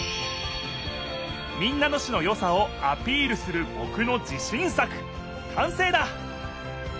民奈野市のよさをアピールするぼくの自しん作かんせいだ！